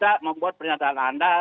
saya membuat pernyataan anda